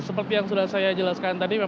seperti yang sudah saya jelaskan tadi